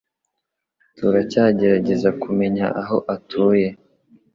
Turacyagerageza kumenya aho atuye.